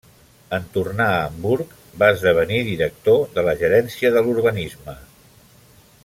En tornar a Hamburg, va esdevenir director de la gerència de l'urbanisme.